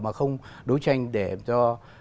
mà không đấu tranh để cho